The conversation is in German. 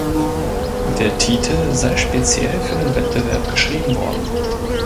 Der Titel sei speziell für den Wettbewerb geschrieben worden.